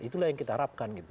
itulah yang kita harapkan gitu